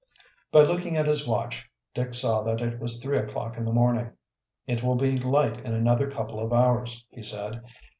By looking at his watch Dick saw that it was three o'clock in the morning. "It will be light in another couple of hours," he said.